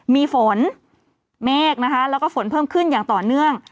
มีฝนเมฆนะคะแล้วก็ฝนเพิ่มขึ้นอย่างต่อเนื่อง